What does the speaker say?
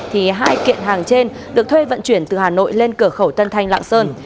thì hai kiện hàng trên được thuê vận chuyển từ hà nội lên cửa khẩu tân thanh lạng sơn